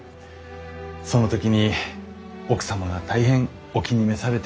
その時に奥様が大変お気に召されて。